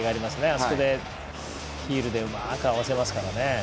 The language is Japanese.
あそこでヒールでうまく合わせますからね。